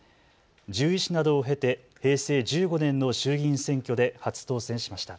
獣医師などを経て平成１５年の衆議院選挙で初当選しました。